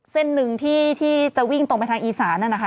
เส้นหนึ่งที่จะวิ่งตรงไปทางอีสานนั่นนะคะ